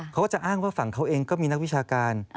เขาก็จะอ้างว่าฝั่งเขาเองก็มีนักวิชาการ